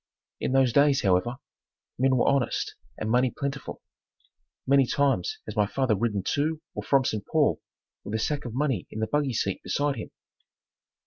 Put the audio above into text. In those days, however, men were honest and money plentiful. Many times has my father ridden to or from St. Paul with a sack of money in the buggy seat beside him.